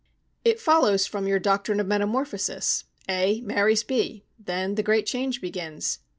"It follows from your doctrine of metamorphosis. A marries B. Then the great change begins.